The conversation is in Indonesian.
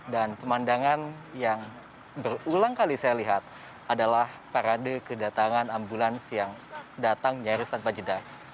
dan pemandangan yang berulang kali saya lihat adalah parade kedatangan ambulans yang datang nyaris tanpa jeda